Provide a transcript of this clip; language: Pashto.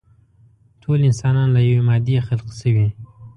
ټول انسانان له يوې مادې خلق شوي.